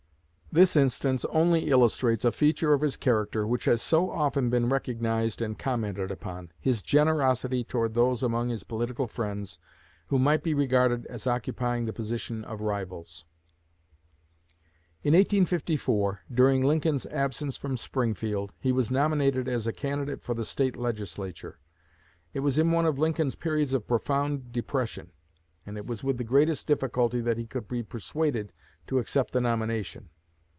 This instance only illustrates a feature of his character which has so often been recognized and commented upon his generosity toward those among his political friends who might be regarded as occupying the position of rivals." In 1854, during Lincoln's absence from Springfield, he was nominated as a candidate for the State Legislature. It was in one of Lincoln's periods of profound depression, and it was with the greatest difficulty that he could be persuaded to accept the nomination.